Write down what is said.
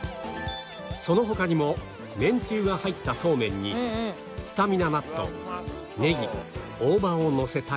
その他にも麺つゆが入った素麺にスタミナ納豆ネギ大葉をのせたり